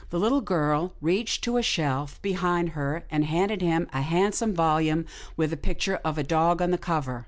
The little girl reached to a shelf behind her and handed him a handsome volume with the picture of a dog on the cover.